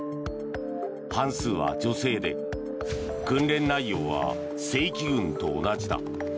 半数は女性で訓練内容は正規軍と同じだ。